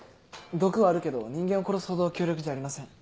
毒はあるけど人間を殺すほど強力じゃありません。